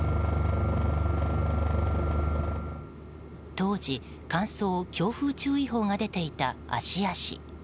当時、乾燥・強風注意報が出ていた芦屋市。